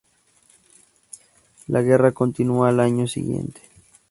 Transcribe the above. La guerra continuó al año siguiente.